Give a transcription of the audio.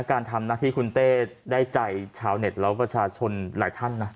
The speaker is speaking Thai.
การทำหน้าที่คุณเต้ได้ใจชาวเน็ตแล้วประชาชนหลายท่านนะ